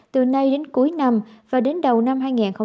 từ nay đến cuối năm và đến đầu năm hai nghìn hai mươi